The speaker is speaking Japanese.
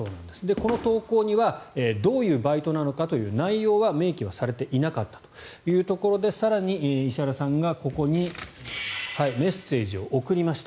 この投稿にはどういうバイトなのかという内容は明記をされていなかったということで更に、石原さんがここにメッセージを送りました。